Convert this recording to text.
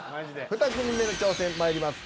２組目の挑戦まいります。